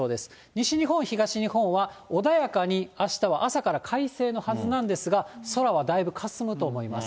西日本、東日本は、穏やかにあしたは朝から快晴のはずなんですが、空はだいぶかすむと思います。